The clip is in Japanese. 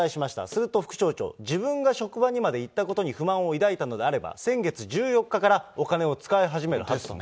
すると副町長、自分が職場にまで行ったことに不満を抱いたのであれば、先月１４日からお金を使い始めるはずと。